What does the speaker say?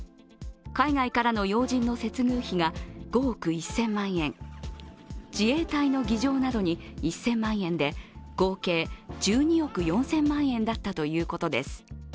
海外からの要人の接遇費が５億１０００万円、自衛隊の儀仗などに１０００万円で、合計１２億４０００万円だったということです。